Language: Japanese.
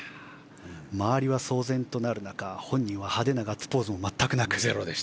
周りは騒然となる中本人は派手なガッツポーズも全くなく。